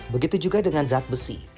begitu juga dengan zat besi